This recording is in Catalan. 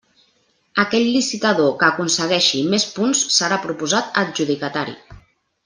Aquell licitador que aconsegueixi més punts serà proposat adjudicatari.